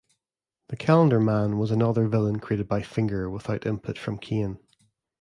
The Calendar Man was another villain created by Finger without input from Kane.